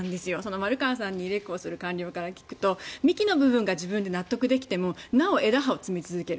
丸川さんに近い官僚から聞くと幹の部分が自分で納得できてもなお枝葉の部分を摘み続ける。